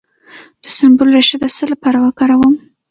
د سنبل ریښه د څه لپاره وکاروم؟